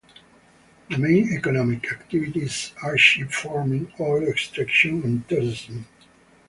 The main economic activities are sheep farming, oil extraction, and tourism.